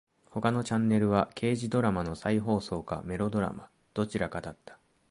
他のチャンネルは刑事ドラマの再放送かメロドラマ。どちらかだった。